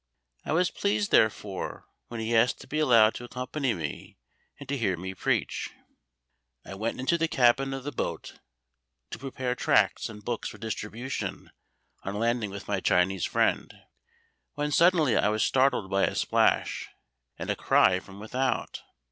I was pleased, therefore, when he asked to be allowed to accompany me, and to hear me preach. I went into the cabin of the boat to prepare tracts and books for distribution on landing with my Chinese friend, when suddenly I was startled by a splash and a cry from without.